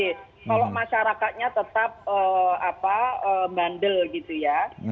kalau masyarakatnya tetap bandel gitu ya